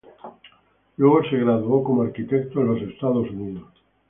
Luego se graduó como arquitecto en los Estados Unidos.